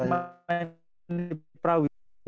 pernah gak nanya di prawira